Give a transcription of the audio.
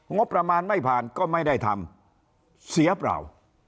งบประมาณไม่ผ่านก็ไม่ได้ทำเสียเปล่า